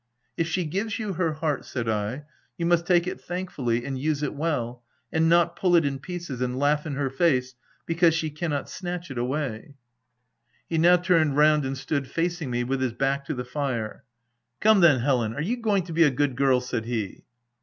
" If she gives you her heart," said I, M you must take it thankfully, and use it well, and not pull it in pieces, and laugh in her face, be cause she cannot snatch it away." 06 THE TENANT He now turned round and stood facing me, with his back to the fire. "Come then, Helen, are you going to be a good girl ?" said he.